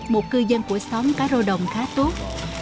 một cư dân của xóm cá rô đồng khá tốt